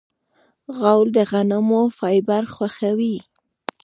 غول د غنمو فایبر خوښوي.